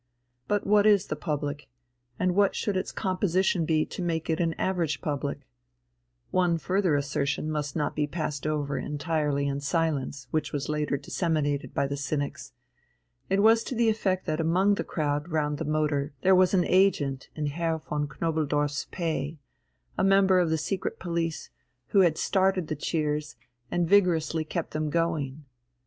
But what is the public and what should its composition be to make it an average public? One further assertion must not be passed over entirely in silence which was later disseminated by the cynics. It was to the effect that among the crowd round the motor there was an agent in Herr von Knobelsdorff's pay, a member of the secret police, who had started the cheers and vigorously kept them going.